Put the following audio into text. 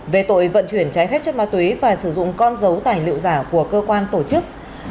về tội vận chuyển trái phép chất ma túy và sử dụng con dấu tài liệu giả của cơ quan tổ chức